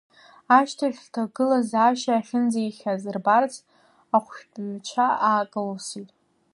Ашьҭахь, лҭагылазаашьа ахьынӡеиӷьхаз рбарц, ахәшәтәыҩцәа аакылсит.